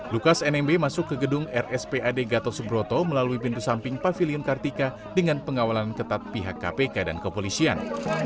lukas nmb masuk ke gedung rspad gatot subroto melalui pintu samping pavilion kartika dengan pengawalan ketat pihak kpk dan kepolisian